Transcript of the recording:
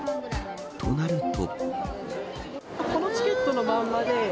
となると。